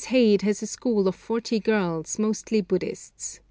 Heyde has a school of forty girls, mostly Buddhists.